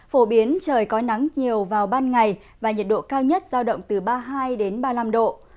phổ biến trời có nắng nhiều vào ban ngày và nhiệt độ cao nhất giao động từ ba mươi hai ba mươi năm độ